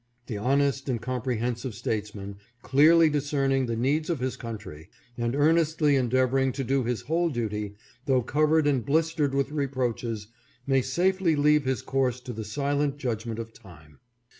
The honest and comprehensive statesman, clearly discerning the needs of his country, and earnestly endeavoring to do his whole duty, though covered and blistered with reproaches, may safely leave his course to the silent judgment of time.